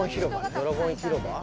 ドラゴン広場。